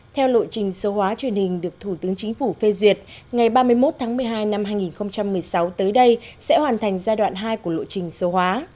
theo lộ trình số hóa truyền hình được thủ tướng chính phủ phê duyệt ngày ba mươi một tháng một mươi hai năm hai nghìn một mươi sáu tới đây sẽ hoàn thành giai đoạn hai của lộ trình số hóa